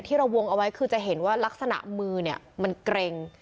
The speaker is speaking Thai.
ที่เราวงเอาไว้คือจะเห็นว่ารักษณะมือเนี่ยมันเกร็ง